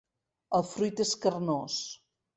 El fruit és carnós.